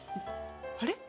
あれ？